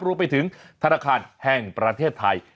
รวมไปถึงธนาคารแห่งประเทศไทย